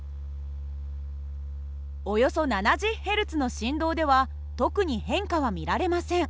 およそ７０Ｈｚの振動では特に変化は見られません。